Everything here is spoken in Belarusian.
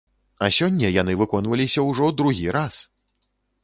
А сёння яны выконваліся ўжо другі раз!